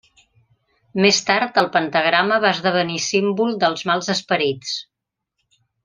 Més tard, el pentagrama va esdevenir símbol dels mals esperits.